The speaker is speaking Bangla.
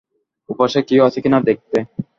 ওপাশে কেউ আছে কিনা দেখতে।